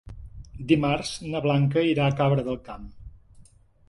Dimarts na Blanca irà a Cabra del Camp.